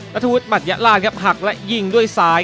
ธวุฒมัชยะลานครับหักและยิงด้วยซ้าย